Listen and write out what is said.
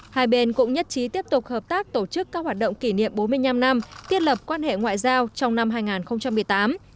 hai bên cũng nhất trí tiếp tục hợp tác tổ chức các hoạt động kỷ niệm bốn mươi năm năm tiết lập quan hệ ngoại giao trong năm hai nghìn một mươi tám